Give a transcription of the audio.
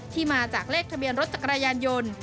ที่มาจากเลขทะเบียนรถจักรยานยนต์